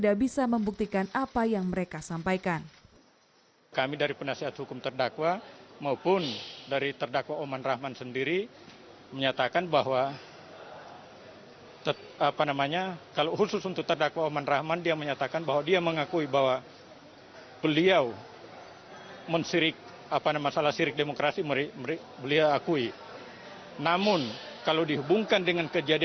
asludin jaksa tidak bisa membuktikan apa yang mereka sampaikan